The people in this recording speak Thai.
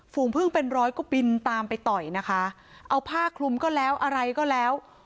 ฝูงพึ่งเป็นร้อยก็บินตามไปต่อยนะคะ